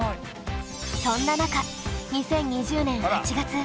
そんな中２０２０年８月